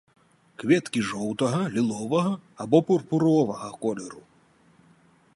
Кветкі жоўтага, ліловага або пурпуровага колеру.